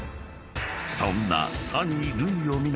［そんな］